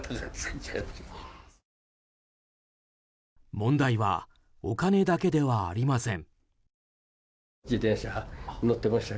問題はお金だけではありません。